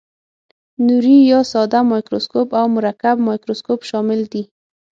نوري یا ساده مایکروسکوپ او مرکب مایکروسکوپ شامل دي.